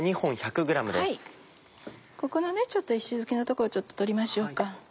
ここの石突きの所ちょっと取りましょうか。